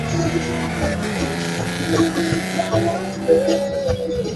Kazi za wanamuziki hawa zilifana sana kwa ushirikiano mkubwa